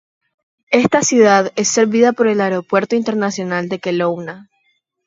Esta ciudad es servida por el Aeropuerto Internacional de Kelowna.